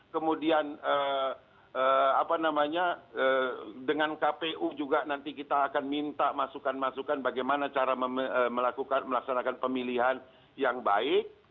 kemudian dengan kpu juga nanti kita akan minta masukan masukan bagaimana cara melakukan melaksanakan pemilihan yang baik